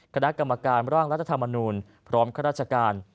คณะกรรมการร่างรัฐธรรมนูลพร้อมข้าราชการ